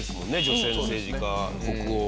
女性の政治家北欧。